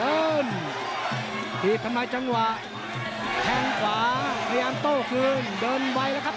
เหมือนทรีปทำไมจังหวะแทงขวาพยายามโตคืนเดินไว้ละครับ